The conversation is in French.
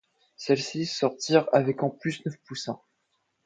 Celles-ci sortirent avec en plus neuf poussins.